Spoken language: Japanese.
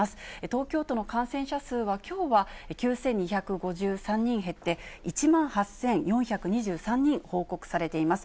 東京都の感染者数はきょうは９２５３人減って、１万８４２３人報告されています。